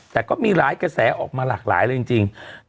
แต่ก็มีหลายกระแสออกมาหลากหลายเลยจริง